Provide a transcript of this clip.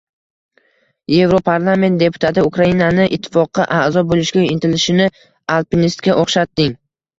Yevroparlament deputati Ukrainani ittifoqqa a’zo bo‘lishga intilishini alpinistga o‘xshatding